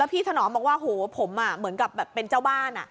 แล้วพี่ถน้องบอกว่าโอ้โฮผมเหมือนกับเป็นเจ้าบ้าน